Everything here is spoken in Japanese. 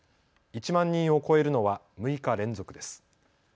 １万人を超えるのは６日連続です。